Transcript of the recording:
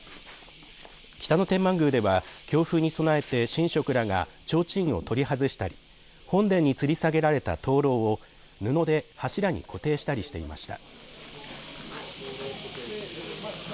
北野天満宮では強風に備えて神職らがちょうちんを取り外したり本殿につり下げられた灯籠を布で柱に固定したりしていました。